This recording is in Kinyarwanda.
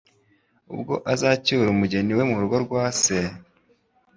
ubwo azacyura umugeni we mu rugo rwa Se,